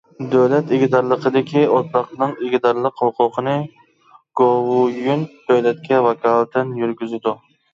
دۆلەت ئىگىدارلىقىدىكى ئوتلاقنىڭ ئىگىدارلىق ھوقۇقىنى گوۋۇيۈەن دۆلەتكە ۋاكالىتەن يۈرگۈزىدۇ.